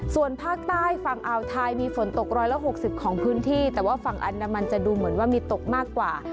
ส่วนภาคใต้ฝั่งอ่าวไทยมีฝนตกร้อยละ๖๐ของพื้นที่แต่ว่าฝั่งอันดามันจะดูเหมือนว่ามีตกมากกว่า